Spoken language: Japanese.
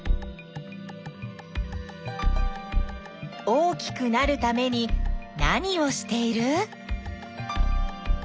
大きくなるために何をしている？